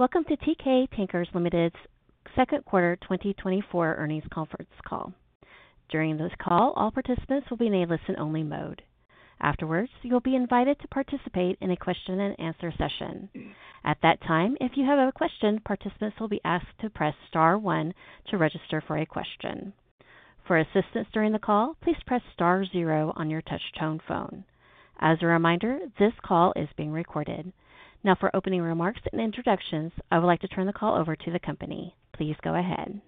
Welcome to Teekay Tankers Limited's second quarter 2024 earnings conference call. During this call, all participants will be in a listen-only mode. Afterwards, you'll be invited to participate in a question-and-answer session. At that time, if you have a question, participants will be asked to press star one to register for a question. For assistance during the call, please press star zero on your touchtone phone. As a reminder, this call is being recorded. Now, for opening remarks and introductions, I would like to turn the call over to the company. Please go ahead.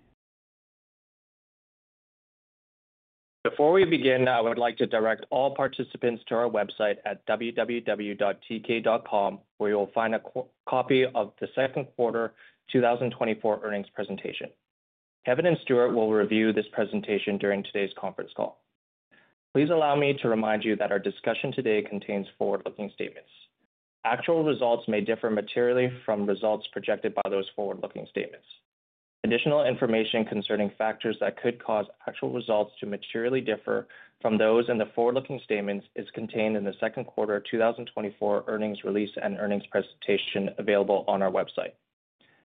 Before we begin, I would like to direct all participants to our website at www.teekay.com, where you will find a copy of the second quarter 2024 earnings presentation. Kevin and Stuart will review this presentation during today's conference call. Please allow me to remind you that our discussion today contains forward-looking statements. Actual results may differ materially from results projected by those forward-looking statements. Additional information concerning factors that could cause actual results to materially differ from those in the forward-looking statements is contained in the second quarter 2024 earnings release and earnings presentation available on our website.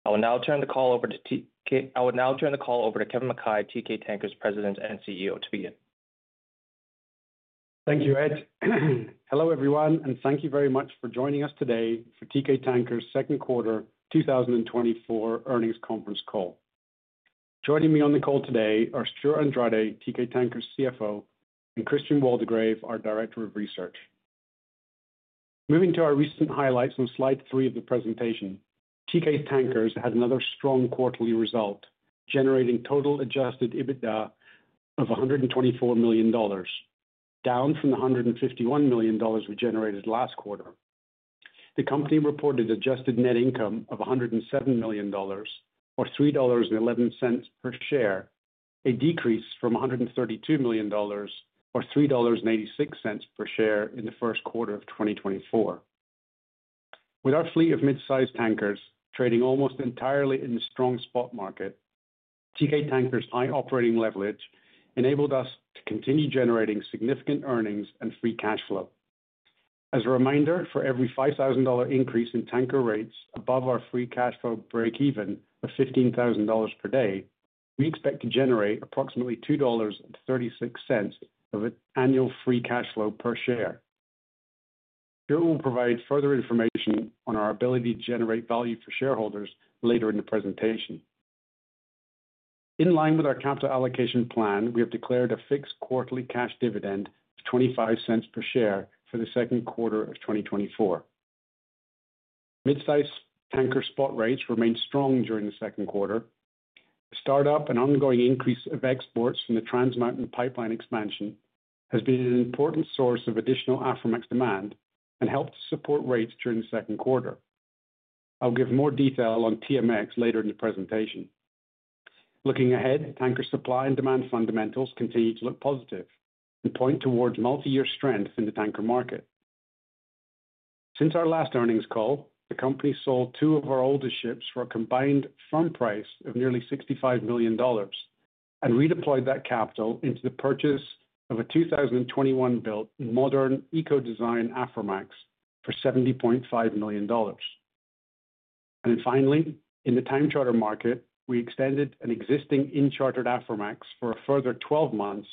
I would now turn the call over to Kevin Mackay, Teekay Tankers President and CEO, to begin. Thank you, Ed. Hello, everyone, and thank you very much for joining us today for Teekay Tankers' second quarter 2024 earnings conference call. Joining me on the call today are Stewart Andrade, Teekay Tankers CFO, and Christian Waldegrave, our Director of Research. Moving to our recent highlights on slide 3 of the presentation, Teekay Tankers had another strong quarterly result, generating total adjusted EBITDA of $124 million, down from the $151 million we generated last quarter. The company reported adjusted net income of $107 million, or $3.11 per share, a decrease from $132 million, or $3.86 per share in the first quarter of 2024. With our fleet of mid-sized tankers trading almost entirely in the strong spot market, Teekay Tankers' high operating leverage enabled us to continue generating significant earnings and free cash flow. As a reminder, for every $5,000 increase in tanker rates above our free cash flow breakeven of $15,000 per day, we expect to generate approximately $2.36 of annual free cash flow per share. Joe will provide further information on our ability to generate value for shareholders later in the presentation. In line with our capital allocation plan, we have declared a fixed quarterly cash dividend of $0.25 per share for the second quarter of 2024. Midsize tanker spot rates remained strong during the second quarter. The start-up and ongoing increase of exports from the Trans Mountain pipeline expansion has been an important source of additional Aframax demand and helped to support rates during the second quarter. I'll give more detail on TMX later in the presentation. Looking ahead, tanker supply and demand fundamentals continue to look positive and point towards multi-year strength in the tanker market. Since our last earnings call, the company sold two of our oldest ships for a combined scrap price of nearly $65 million and redeployed that capital into the purchase of a 2021-built modern eco-design Aframax for $70.5 million. Then finally, in the time charter market, we extended an existing in-chartered Aframax for a further 12 months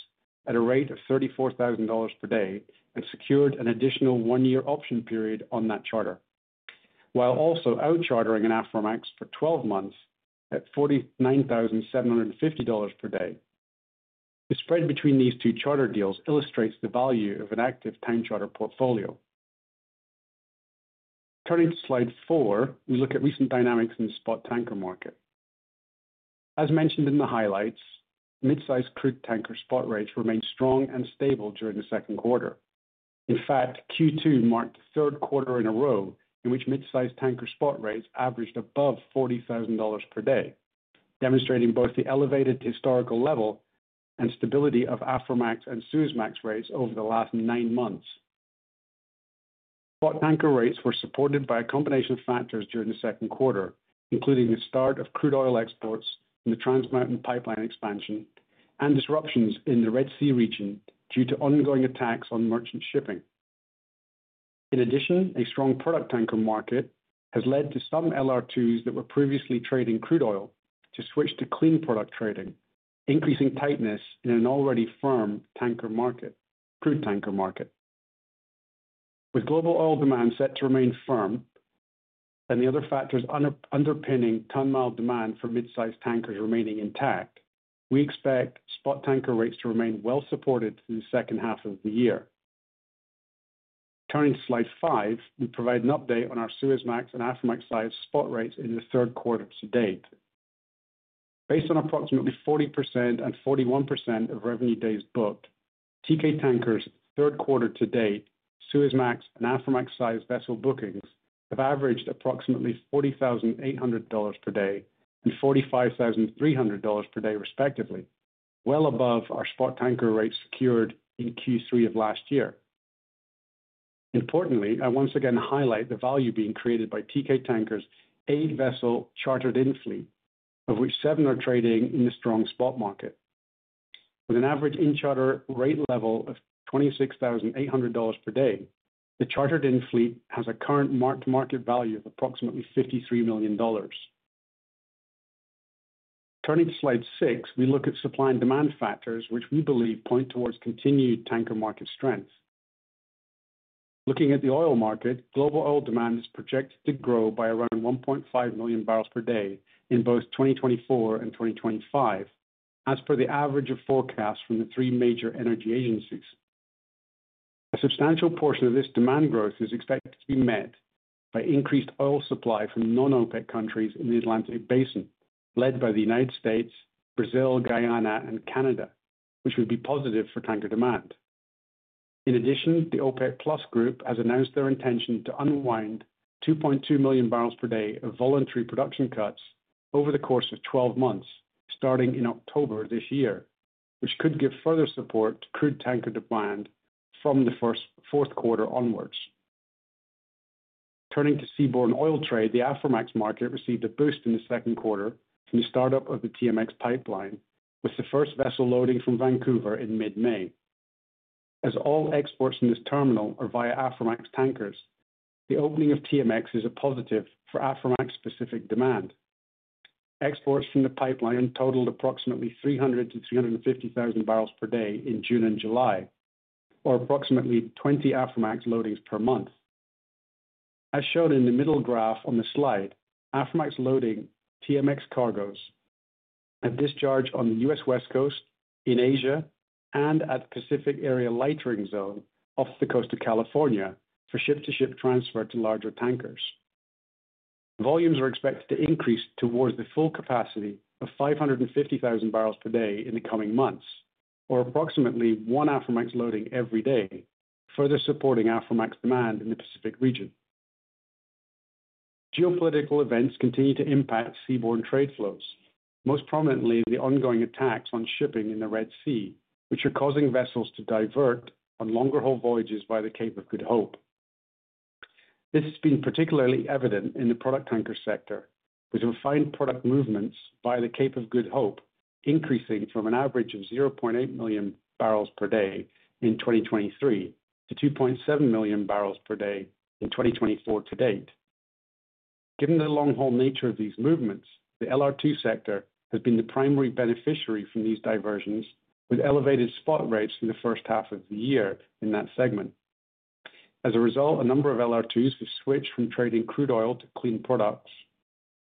at a rate of $34,000 per day and secured an additional 1-year option period on that charter, while also outchartering an Aframax for 12 months at $49,750 per day. The spread between these two charter deals illustrates the value of an active time charter portfolio. Turning to slide four, we look at recent dynamics in the spot tanker market. As mentioned in the highlights, mid-size crude tanker spot rates remained strong and stable during the second quarter. In fact, Q2 marked the third quarter in a row in which mid-size tanker spot rates averaged above $40,000 per day, demonstrating both the elevated historical level and stability of Aframax and Suezmax rates over the last 9 months. Spot tanker rates were supported by a combination of factors during the second quarter, including the start of crude oil exports from the Trans Mountain pipeline expansion and disruptions in the Red Sea region due to ongoing attacks on merchant shipping. In addition, a strong product tanker market has led to some LR2s that were previously trading crude oil to switch to clean product trading, increasing tightness in an already firm tanker market, crude tanker market. With global oil demand set to remain firm and the other factors underpinning ton mile demand for mid-size tankers remaining intact, we expect spot tanker rates to remain well supported through the second half of the year. Turning to slide 5, we provide an update on our Suezmax and Aframax-sized spot rates in the third quarter to date. Based on approximately 40% and 41% of revenue days booked, Teekay Tankers' third quarter to date, Suezmax and Aframax-sized vessel bookings have averaged approximately $40,800 per day and $45,300 per day, respectively, well above our spot tanker rates secured in Q3 of last year. Importantly, I once again highlight the value being created by Teekay Tankers' 8-vessel chartered-in fleet, of which seven are trading in the strong spot market. With an average in-charter rate level of $26,800 per day, the chartered-in fleet has a current mark-to-market value of approximately $53 million. Turning to slide 6, we look at supply and demand factors, which we believe point towards continued tanker market strength. Looking at the oil market, global oil demand is projected to grow by around 1.5 million barrels per day in both 2024 and 2025, as per the average of forecasts from the three major energy agencies. A substantial portion of this demand growth is expected to be met by increased oil supply from non-OPEC countries in the Atlantic Basin, led by the United States, Brazil, Guyana, and Canada, which would be positive for tanker demand. In addition, the OPEC Plus group has announced their intention to unwind 2.2 million barrels per day of voluntary production cuts over the course of 12 months, starting in October this year, which could give further support to crude tanker demand from the first to fourth quarter onwards. Turning to seaborne oil trade, the Aframax market received a boost in the second quarter from the startup of the TMX pipeline, with the first vessel loading from Vancouver in mid-May. As all exports from this terminal are via Aframax tankers, the opening of TMX is a positive for Aframax-specific demand. Exports from the pipeline totaled approximately 300-350,000 barrels per day in June and July, or approximately 20 Aframax loadings per month. As shown in the middle graph on the slide, Aframax loading TMX cargoes have discharged on the US West Coast, in Asia, and at the Pacific Area Lightering Zone off the coast of California for ship-to-ship transfer to larger tankers. Volumes are expected to increase towards the full capacity of 550,000 barrels per day in the coming months, or approximately one Aframax loading every day, further supporting Aframax demand in the Pacific region. Geopolitical events continue to impact seaborne trade flows, most prominently, the ongoing attacks on shipping in the Red Sea, which are causing vessels to divert on longer-haul voyages by the Cape of Good Hope. This has been particularly evident in the product tanker sector, with refined product movements by the Cape of Good Hope, increasing from an average of 0.8 million barrels per day in 2023 to 2.7 million barrels per day in 2024 to date. Given the long-haul nature of these movements, the LR2 sector has been the primary beneficiary from these diversions, with elevated spot rates in the first half of the year in that segment. As a result, a number of LR2s have switched from trading crude oil to clean products,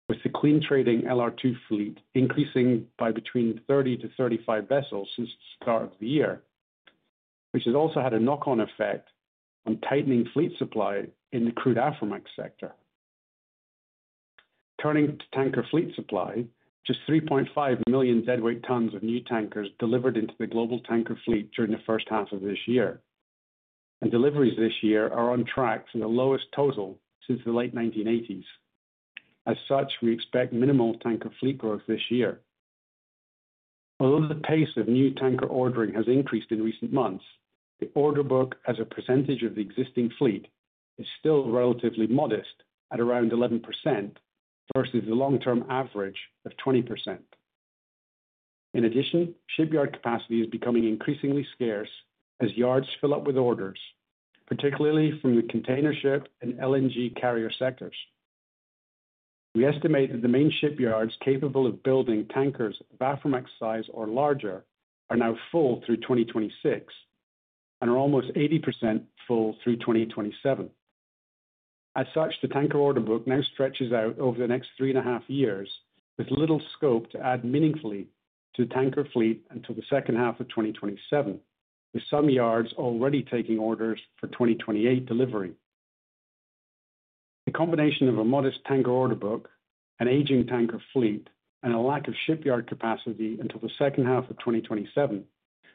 with the clean trading LR2 fleet increasing by between 30-35 vessels since the start of the year, which has also had a knock-on effect on tightening fleet supply in the crude Aframax sector. Turning to tanker fleet supply, just 3.5 million deadweight tons of new tankers delivered into the global tanker fleet during the first half of this year, and deliveries this year are on track for the lowest total since the late 1980s. As such, we expect minimal tanker fleet growth this year. Although the pace of new tanker ordering has increased in recent months, the order book as a percentage of the existing fleet is still relatively modest at around 11%, versus the long-term average of 20%. In addition, shipyard capacity is becoming increasingly scarce as yards fill up with orders, particularly from the container ship and LNG carrier sectors. We estimate that the main shipyards capable of building tankers, Aframax size or larger, are now full through 2026 and are almost 80% full through 2027. As such, the tanker order book now stretches out over the next three and a half years, with little scope to add meaningfully to the tanker fleet until the second half of 2027, with some yards already taking orders for 2028 delivery. The combination of a modest tanker order book, an aging tanker fleet, and a lack of shipyard capacity until the second half of 2027,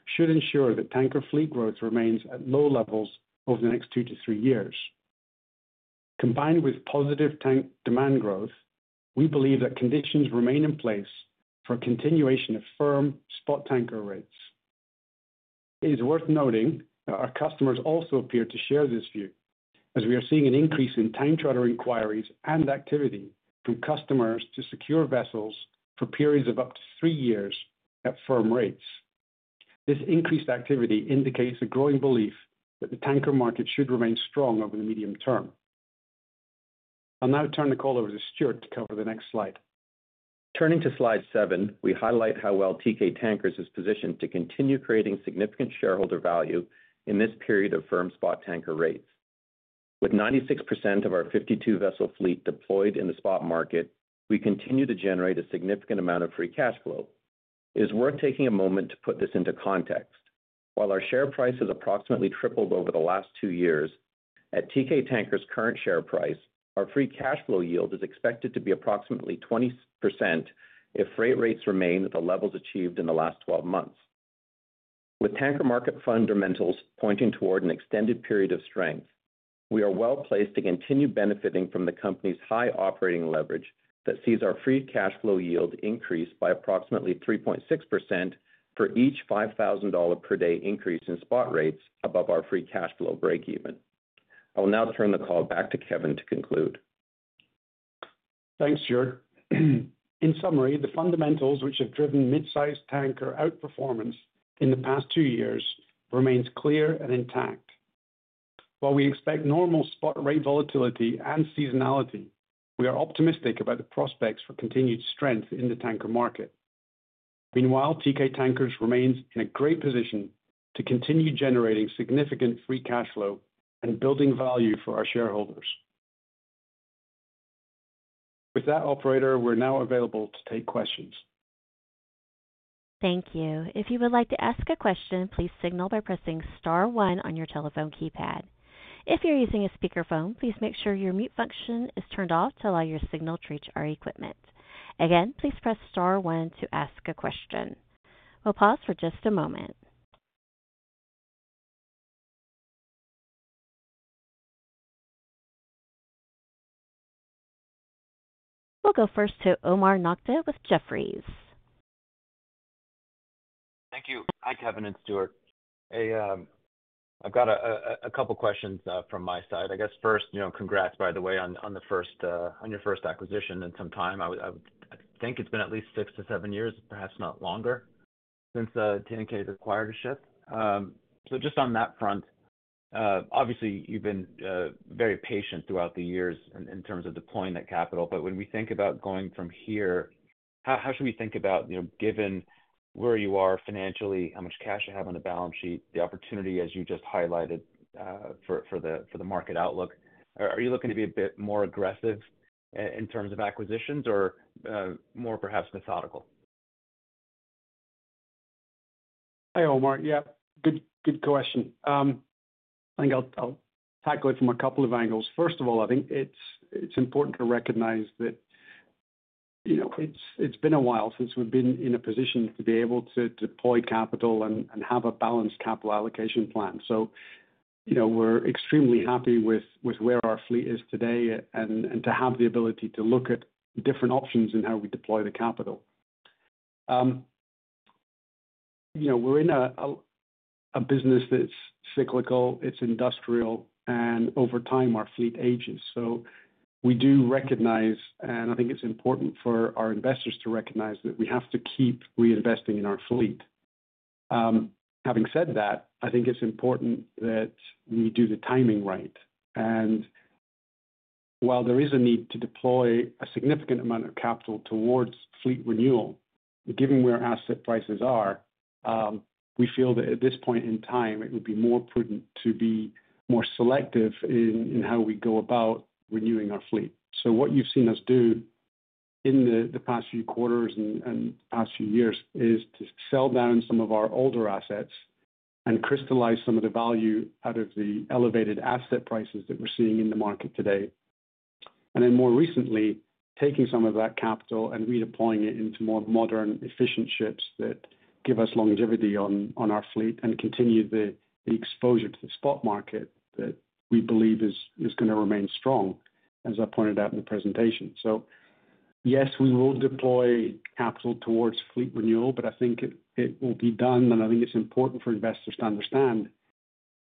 should ensure that tanker fleet growth remains at low levels over the next 2 to 3 years. Combined with positive tank demand growth, we believe that conditions remain in place for a continuation of firm spot tanker rates. It is worth noting that our customers also appear to share this view, as we are seeing an increase in time charter inquiries and activity from customers to secure vessels for periods of up to 3 years at firm rates. This increased activity indicates a growing belief that the tanker market should remain strong over the medium term. I'll now turn the call over to Stuart to cover the next slide. Turning to slide 7, we highlight how well Teekay Tankers is positioned to continue creating significant shareholder value in this period of firm spot tanker rates. With 96% of our 52-vessel fleet deployed in the spot market, we continue to generate a significant amount of free cash flow. It is worth taking a moment to put this into context. While our share price has approximately tripled over the last 2 years, at Teekay Tankers' current share price, our free cash flow yield is expected to be approximately 20% if freight rates remain at the levels achieved in the last 12 months. With tanker market fundamentals pointing toward an extended period of strength, we are well-placed to continue benefiting from the company's high operating leverage that sees our free cash flow yield increase by approximately 3.6% for each $5,000 per day increase in spot rates above our free cash flow breakeven. I will now turn the call back to Kevin to conclude.... Thanks, Stuart. In summary, the fundamentals which have driven midsize tanker outperformance in the past two years remains clear and intact. While we expect normal spot rate volatility and seasonality, we are optimistic about the prospects for continued strength in the tanker market. Meanwhile, Teekay Tankers remains in a great position to continue generating significant free cash flow and building value for our shareholders. With that, operator, we're now available to take questions. Thank you. If you would like to ask a question, please signal by pressing star one on your telephone keypad. If you're using a speakerphone, please make sure your mute function is turned off to allow your signal to reach our equipment. Again, please press star one to ask a question. We'll pause for just a moment. We'll go first to Omar Nokta with Jefferies. Thank you. Hi, Kevin and Stuart. Hey, I've got a couple questions from my side. I guess first, you know, congrats, by the way, on your first acquisition in some time. I would—I think it's been at least 6-7 years, perhaps not longer, since Teekay has acquired a ship. So just on that front, obviously, you've been very patient throughout the years in terms of deploying that capital. But when we think about going from here, how should we think about, you know, given where you are financially, how much cash you have on the balance sheet, the opportunity, as you just highlighted, for the market outlook, are you looking to be a bit more aggressive in terms of acquisitions or more perhaps methodical? Hi, Omar. Yeah, good question. I think I'll tackle it from a couple of angles. First of all, I think it's important to recognize that, you know, it's been a while since we've been in a position to be able to deploy capital and have a balanced capital allocation plan. So, you know, we're extremely happy with where our fleet is today and to have the ability to look at different options in how we deploy the capital. You know, we're in a business that's cyclical, it's industrial, and over time, our fleet ages. So we do recognize, and I think it's important for our investors to recognize, that we have to keep reinvesting in our fleet. Having said that, I think it's important that we do the timing right. While there is a need to deploy a significant amount of capital towards fleet renewal, given where asset prices are, we feel that at this point in time, it would be more prudent to be more selective in how we go about renewing our fleet. What you've seen us do in the past few quarters and the past few years is to sell down some of our older assets and crystallize some of the value out of the elevated asset prices that we're seeing in the market today. Then more recently, taking some of that capital and redeploying it into more modern, efficient ships that give us longevity on our fleet and continue the exposure to the spot market that we believe is gonna remain strong, as I pointed out in the presentation. So yes, we will deploy capital towards fleet renewal, but I think it, it will be done, and I think it's important for investors to understand,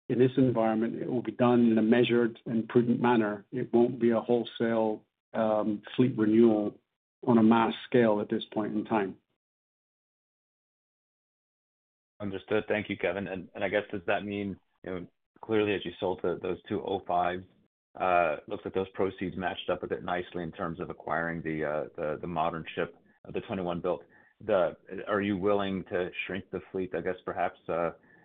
in this environment, it will be done in a measured and prudent manner. It won't be a wholesale, fleet renewal on a mass scale at this point in time. Understood. Thank you, Kevin. And I guess, does that mean, you know, clearly, as you sold those two 2005s, looks like those proceeds matched up a bit nicely in terms of acquiring the modern ship, the 2021 build. Are you willing to shrink the fleet, I guess, perhaps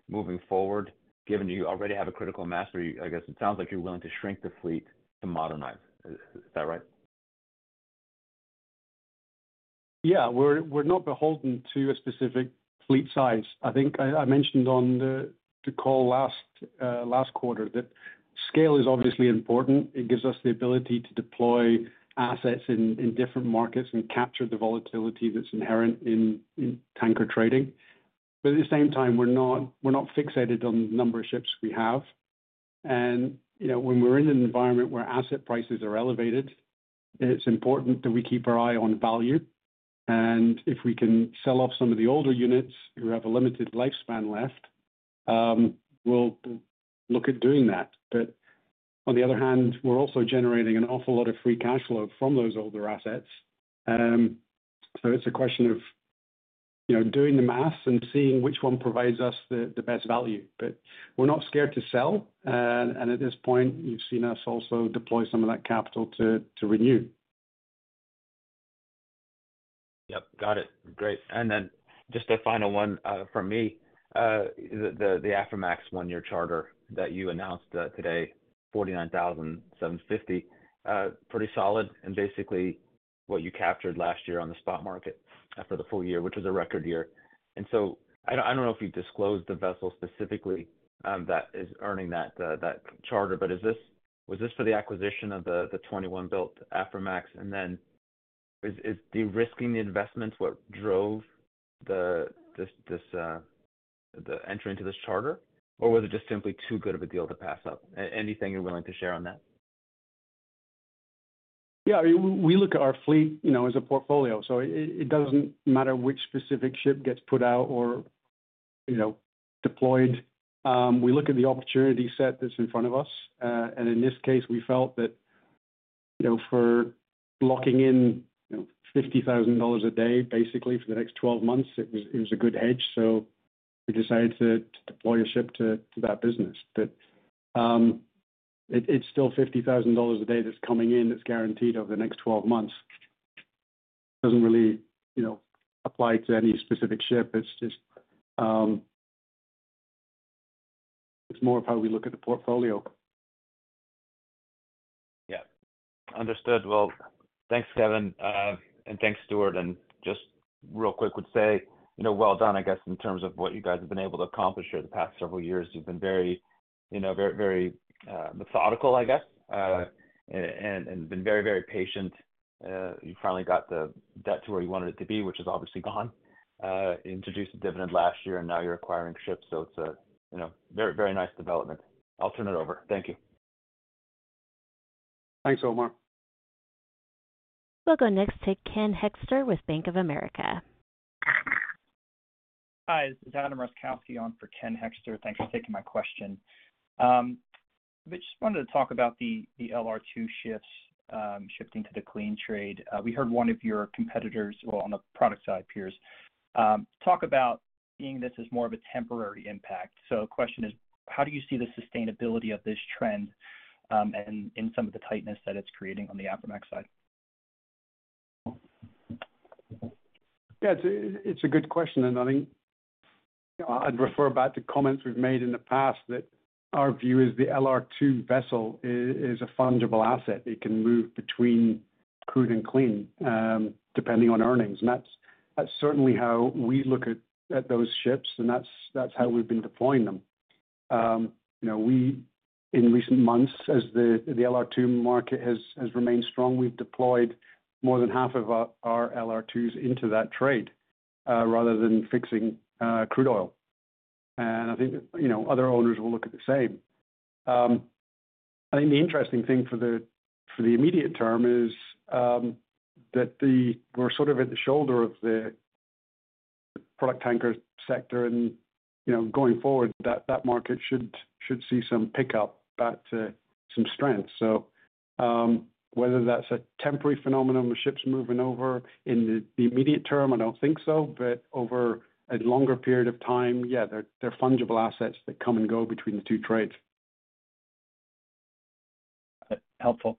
moving forward, given you already have a critical mass? Or I guess it sounds like you're willing to shrink the fleet to modernize. Is that right? Yeah, we're not beholden to a specific fleet size. I think I mentioned on the call last quarter, that scale is obviously important. It gives us the ability to deploy assets in different markets and capture the volatility that's inherent in tanker trading. But at the same time, we're not fixated on the number of ships we have. And, you know, when we're in an environment where asset prices are elevated, it's important that we keep our eye on value, and if we can sell off some of the older units who have a limited lifespan left, we'll look at doing that. But on the other hand, we're also generating an awful lot of free cash flow from those older assets. So it's a question of, you know, doing the math and seeing which one provides us the best value. But we're not scared to sell, and at this point, you've seen us also deploy some of that capital to renew. Yep, got it. Great. And then just a final one from me. The Aframax one-year charter that you announced today, $49,750, pretty solid, and basically what you captured last year on the spot market for the full year, which is a record year. And so I don't know if you've disclosed the vessel specifically that is earning that charter, but was this for the acquisition of the 2021-built Aframax? And then is de-risking the investment what drove this entry into this charter? Or was it just simply too good of a deal to pass up? Anything you're willing to share on that? Yeah, we look at our fleet, you know, as a portfolio, so it doesn't matter which specific ship gets put out, you know, deployed. We look at the opportunity set that's in front of us. And in this case, we felt that, you know, for locking in, you know, $50,000 a day, basically for the next 12 months, it was a good hedge, so we decided to deploy a ship to that business. But it's still $50,000 a day that's coming in, that's guaranteed over the next 12 months. Doesn't really, you know, apply to any specific ship. It's just, it's more of how we look at the portfolio. Yeah. Understood. Well, thanks, Kevin, and thanks, Stuart. And just real quick would say, you know, well done, I guess, in terms of what you guys have been able to accomplish here the past several years. You've been very, you know, very, very methodical, I guess, and been very, very patient. You finally got the debt to where you wanted it to be, which is obviously gone. Introduced a dividend last year, and now you're acquiring ships, so it's a, you know, very, very nice development. I'll turn it over. Thank you. Thanks, Omar. We'll go next to Ken Hoexter with Bank of America. Hi, this is Adam Roszkowski on for Ken Hoexter. Thanks for taking my question. I just wanted to talk about the LR2 ships shifting to the clean trade. We heard one of your competitors, well, on the product side, peers, talk about seeing this as more of a temporary impact. So the question is: how do you see the sustainability of this trend, and some of the tightness that it's creating on the Aframax side? Yeah, it's a good question, and I think I'd refer back to comments we've made in the past, that our view is the LR2 vessel is a fungible asset. It can move between crude and clean, depending on earnings. And that's certainly how we look at those ships, and that's how we've been deploying them. You know, we in recent months, as the LR2 market has remained strong, we've deployed more than half of our LR2s into that trade, rather than fixing crude oil. And I think, you know, other owners will look at the same. I think the interesting thing for the immediate term is that the... We're sort of at the shoulder of the product tanker sector and, you know, going forward, that market should see some pickup, back to some strength. So, whether that's a temporary phenomenon with ships moving over in the immediate term, I don't think so. But over a longer period of time, yeah, they're fungible assets that come and go between the two trades. Helpful.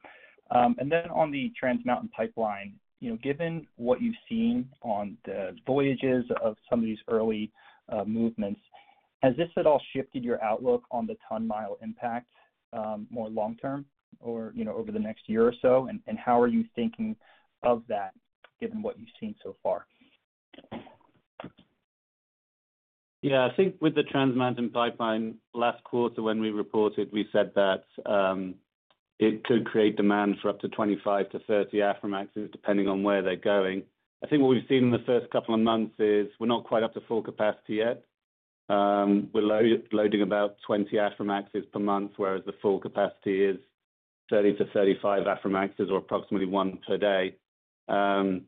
And then on the Trans Mountain pipeline, you know, given what you've seen on the voyages of some of these early movements, has this at all shifted your outlook on the ton mile impact, more long-term, or, you know, over the next year or so? And how are you thinking of that, given what you've seen so far? Yeah, I think with the Trans Mountain pipeline, last quarter when we reported, we said that it could create demand for up to 25-30 Aframaxes, depending on where they're going. I think what we've seen in the first couple of months is we're not quite up to full capacity yet. We're loading about 20 Aframaxes per month, whereas the full capacity is 30-35 Aframaxes, or approximately 1 per day. And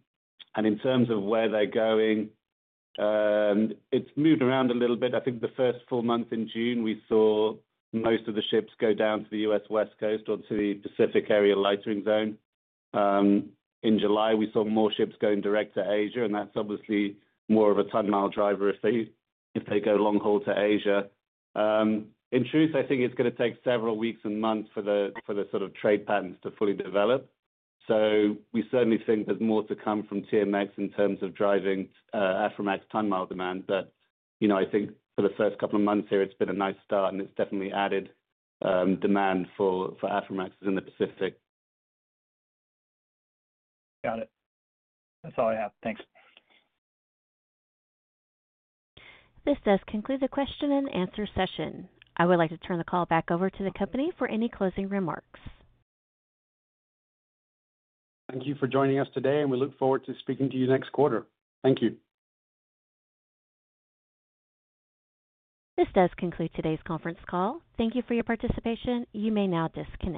in terms of where they're going, it's moved around a little bit. I think the first full month in June, we saw most of the ships go down to the US West Coast or to the Pacific Area Lightering Zone. In July, we saw more ships going direct to Asia, and that's obviously more of a ton mile driver if they go long haul to Asia. In truth, I think it's gonna take several weeks and months for the sort of trade patterns to fully develop. So we certainly think there's more to come from TMX in terms of driving Aframax ton mile demand. But, you know, I think for the first couple of months here, it's been a nice start, and it's definitely added demand for Aframax in the Pacific. Got it. That's all I have. Thanks. This does conclude the question and answer session. I would like to turn the call back over to the company for any closing remarks. Thank you for joining us today, and we look forward to speaking to you next quarter. Thank you. This does conclude today's conference call. Thank you for your participation. You may now disconnect.